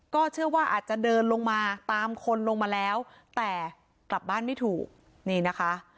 เชื่อว่าอาจจะเดินลงมาตามคนลงมาแล้วแต่กลับบ้านไม่ถูกนี่นะคะ